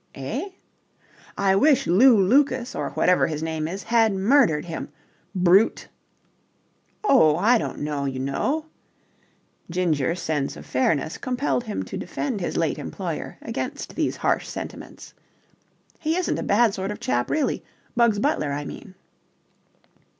"Eh?" "I wish Lew Lucas or whatever his name is had murdered him. Brute!" "Oh, I don't know, you know." Ginger's sense of fairness compelled him to defend his late employer against these harsh sentiments. "He isn't a bad sort of chap, really. Bugs Butler, I mean."